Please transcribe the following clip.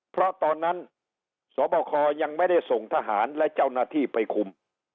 เพราะตอนนั้นสบคยังไม่ได้ส่งทหารและเจ้าหน้าที่ไปคุม